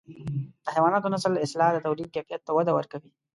د حیواناتو نسل اصلاح د توليد کیفیت ته وده ورکوي.